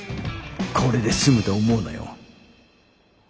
これで済むと思うなよ。